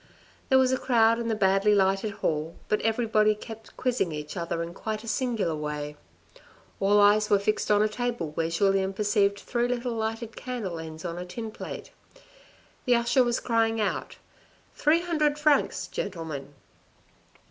There was a crowd in the badly lighted hall, but everybody kept quizzing each other in quite a singular way. All eyes were fixed on a table where Julien perceived three little lighted candle ends on a tin plate. The usher was crying out "Three hundred francs, gentlemen."